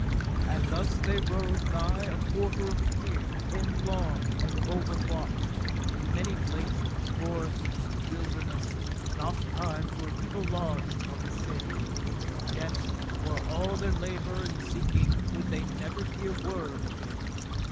And thus they rode nigh a quarter of a year, endlong and overthwart, in many places, forests and wilderness, and oft times were evil lodged for his sake; and yet for all their labour and seeking could they never hear word of him.